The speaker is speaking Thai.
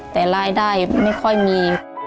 แต่รายได้ไม่ค่อยมี